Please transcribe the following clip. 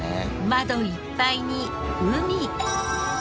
窓いっぱいに海！